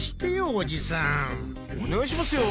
お願いしますよ。